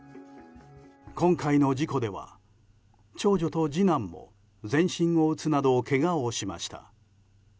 今回の事故では長女と次男も全身を打つなどけがをしました。